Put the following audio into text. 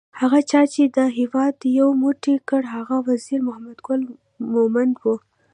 هغه چا چې دا هیواد یو موټی کړ هغه وزیر محمد ګل مومند وو